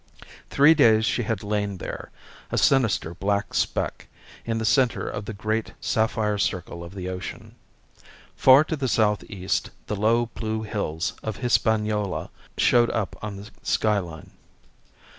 Three days she had lain there, a sinister black speck, in the centre of the great sapphire circle of the ocean. Far to the south east the low blue hills of Hispaniola showed up on the skyline.